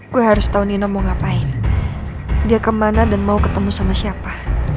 gue harus tau nino mau ngapain dia kemana dan mau ketemu sama siapa